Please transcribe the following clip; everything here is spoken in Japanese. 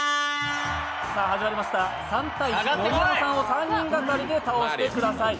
始まりました、３対１、盛山さんを３人がかりで倒してください。